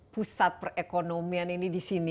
pusat perekonomian ini di sini